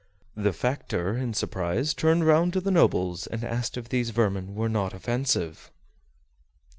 The factor, in surprise, turned round to the nobles and asked if these vermin were not offensive.